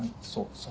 そう。